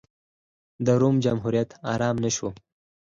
روم جمهوریت ارام نه شو.